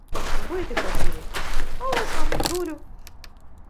Вбити хотіли. А ось вам – дулю!